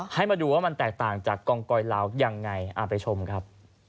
ให้มาดูว่ามันแตกต่างจากกองกอยลาวยังไงไปชมครับ